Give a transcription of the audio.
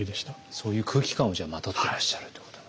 そういう空気感をまとってらっしゃるということなんですね。